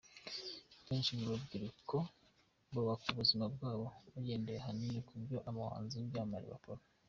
Benshi mu rubyiruko bubaka ubuzima bwabo bagendeye ahanini ku byo abahanzi n’ibyamamare bakora.